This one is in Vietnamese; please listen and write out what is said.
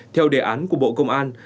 theo đề án của bộ công an